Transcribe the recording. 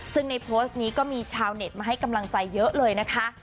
ซึ่งในโพสต์นี้ก็มีชาวเน็ตมาให้กำลังใจเยอะเลยนะคะ